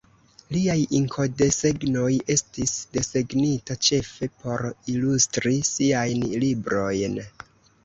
Liaj inkodesegnoj estis desegnita ĉefe por ilustri siajn librojn.